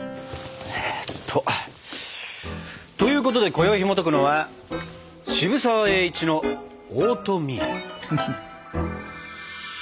えっと。ということでこよいひもとくのは渋沢栄一のオートミール。